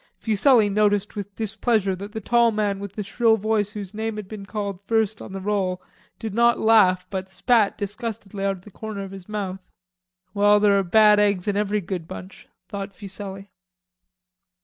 Fuselli noticed with displeasure that the tall man with the shrill voice whose name had been called first on the roll did not laugh but spat disgustedly out of the corner of his mouth. "Well, there are bad eggs in every good bunch," thought Fuselli.